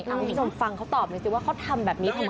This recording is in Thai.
คุณผู้ชมฟังเขาตอบหน่อยสิว่าเขาทำแบบนี้ทำไม